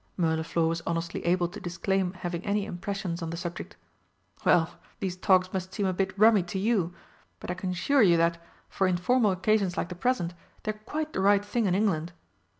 Mirliflor was honestly able to disclaim having any impressions on the subject. "Well, these togs must seem a bit rummy to you but I can assure you that, for informal occasions like the present, they're quite the right thing in England."